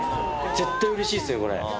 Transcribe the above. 絶対うれしいですよこれ。